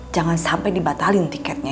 jangan sampai dibatalin tiketnya